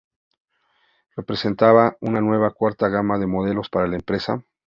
Representará una nueva cuarta gama de modelos para la empresa.